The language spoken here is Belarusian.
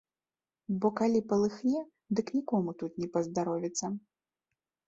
Бо калі палыхне, дык нікому тут не паздаровіцца.